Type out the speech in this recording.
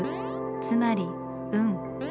つまり「運」。